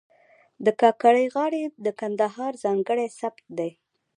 د کاکړۍ غاړې د کندهار ځانګړی سبک دی.